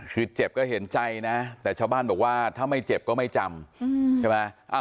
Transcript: คือเจ็บก็เห็นใจนะแต่ชาวบ้านบอกว่าถ้าไม่เจ็บก็ไม่จำใช่ไหม